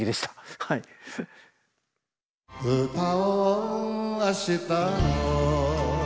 「歌おう明日の」